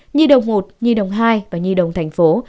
nhi đồng một nhi đồng hai và nhi đồng thành phố